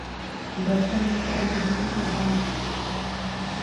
برتن میں پڑے رہنے کے بعد